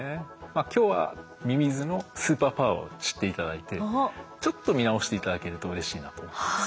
まあ今日はミミズのスーパーパワーを知って頂いてちょっと見直して頂けるとうれしいなと思ってます。